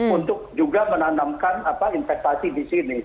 untuk juga menanamkan investasi di sini